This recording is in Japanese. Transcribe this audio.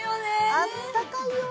あったかいよ。